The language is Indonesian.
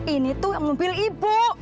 ini tuh mobil ibu